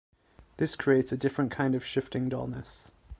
This creates a different kind of shifting dullness.